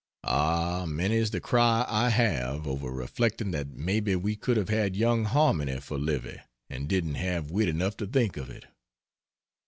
Ah, many's the cry I have, over reflecting that maybe we could have had Young Harmony for Livy, and didn't have wit enough to think of it.